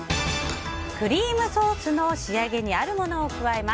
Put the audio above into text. クリームソースの仕上げにあるものを加えます。